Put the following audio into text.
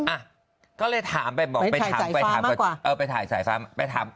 อ้าก็เลยถามไปไปถ่ายสายฟ้ามากกว่า